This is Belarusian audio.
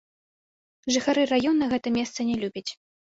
Жыхары раёна гэта месца не любяць.